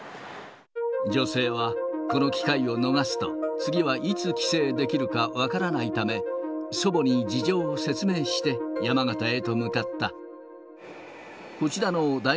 女性はこの機会を逃すと、次はいつ帰省できるか分からないため、祖母に事情を説明して、山形へと向かった。